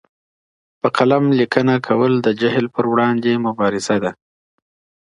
په قلم لیکنه کول د جهل پر وړاندي مبارزه ده.